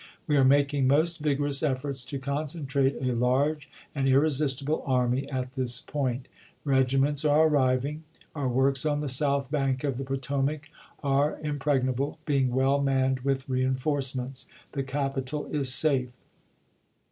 " We are making most vigorous efforts to concentrate a large and irresistible army at this point. Regiments are ar cameronto riving. .. Our works on the south bank of the Grfnuen, Potomac are impregnable, being well manned with jiuy22,i86i! W R Vol reenforcements. The capital is safe."